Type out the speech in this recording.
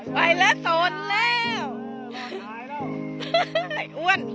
ไปแล้วสนแล้ว